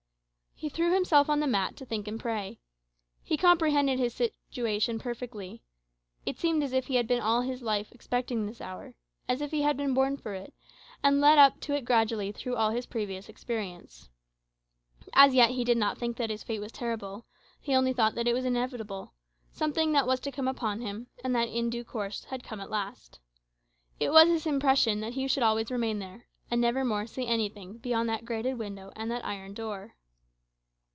He threw himself on the mat to think and pray. He comprehended his situation perfectly. It seemed as if he had been all his life expecting this hour; as if he had been born for it, and led up to it gradually through all his previous experience. As yet he did not think that his fate was terrible; he only thought that it was inevitable something that was to come upon him, and that in due course had come at last. It was his impression that he should always remain there, and never more see anything beyond that grated window and that iron door.